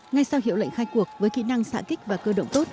ngay sau hiệu lệnh khai cuộc với kỹ năng xã kích và cơ động tốt